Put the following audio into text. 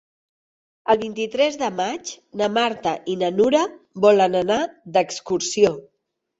El vint-i-tres de maig na Marta i na Nura volen anar d'excursió.